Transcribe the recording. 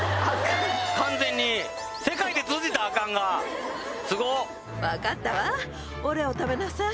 完全に世界で通じた「アカン」がすごっ！